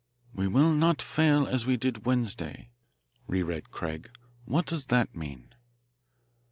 "'We will not fail as we did Wednesday,'" reread Craig. "What does that mean?"